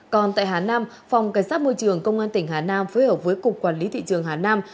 còn tại hà nam phòng cảnh sát môi trường công an tỉnh hà nam phối hợp với cục quản lý thị trường hà nam